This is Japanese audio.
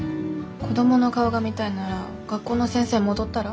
子供の顔が見たいなら学校の先生戻ったら？